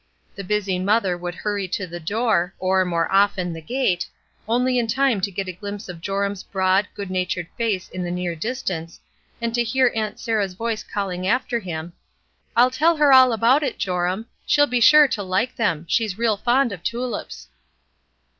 The busy mother would hurry to the door or, more often, the gate, only in time to get a glimpse of Joram's broad, good natured face in the near distance, and to hear Aunt Sarah's voice calUng after him: "I'll tell her all about it, Joram; she'll be sure to like them. She's real fond of tulips."